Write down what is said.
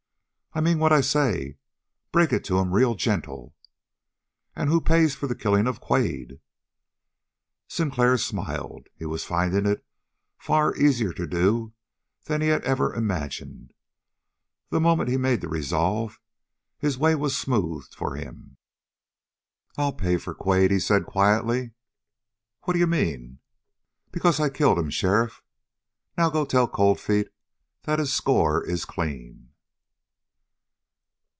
"I mean what I say. Break it to him real gentle." "And who pays for the killing of Quade?" Sinclair smiled. He was finding it far easier to do it than he had ever imagined. The moment he made the resolve, his way was smoothed for him. "I pay for Quade," he said quietly. "What d'you mean?" "Because I killed him, sheriff. Now go tell Cold Feet that his score is clean!"